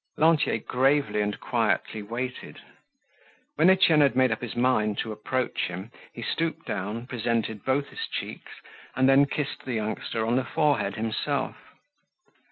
Lantier gravely and quietly waited. When Etienne had made up his mind to approach him, he stooped down, presented both his cheeks, and then kissed the youngster on the forehead himself.